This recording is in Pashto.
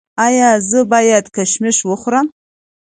ایا زه باید کشمش وخورم؟